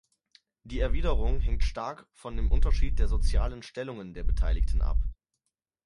Die Erwiderung hängt stark von dem Unterschied der sozialen Stellungen der Beteiligen ab.